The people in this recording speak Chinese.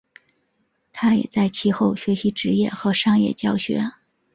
他也在其后学习职业和商业教学。